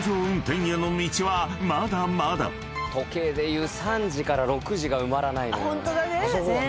時計で言う３時から６時が埋まらないのよ。